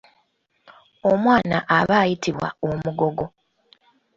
Omwana aba ayitibwa omugogo.